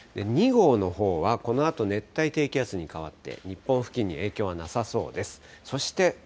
２号のほうは、このあと熱帯低気圧に変わって、日本付近に影響はなさそうです。